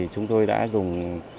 chúng tôi đã dùng